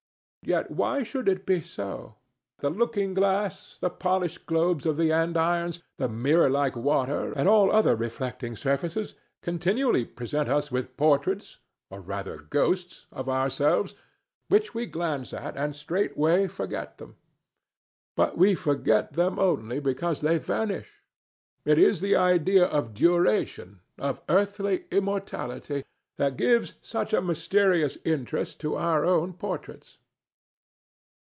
Yet why should it be so? The looking glass, the polished globes of the andirons, the mirror like water, and all other reflecting surfaces, continually present us with portraits—or, rather, ghosts—of ourselves which we glance at and straightway forget them. But we forget them only because they vanish. It is the idea of duration—of earthly immortality—that gives such a mysterious interest to our own portraits.